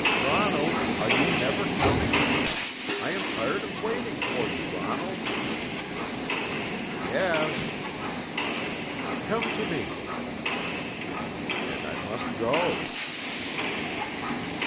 "Ronald, are you never coming? I am tired of waiting for you. Ronald!" "Yes." "Come to me!" "And I must go."